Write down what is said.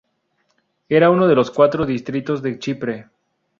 Era uno de los cuatro distritos de Chipre.